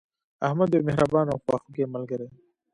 احمد یو مهربانه او خواخوږی ملګری